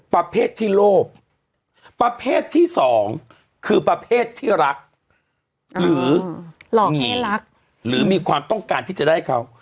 ประเภทที่โลภประเภทที่สองคือประเภทที่รักหรือหลอกให้รักหรือมีความต้องการที่จะได้เขา